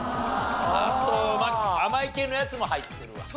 あと甘い系のやつも入ってるわ。